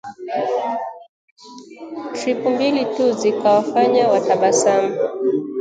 Tripu mbili tu zikawafanya watabasamu